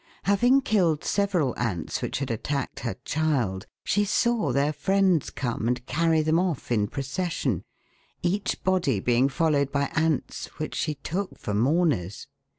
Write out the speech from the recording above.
Having killed several ants which had attacked her child, she saw' their friends come and carry them off in procession, each body being followed by ants which she took for mourners.